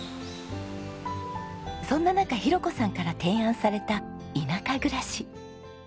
そんな中浩子さんから提案された田舎暮らし。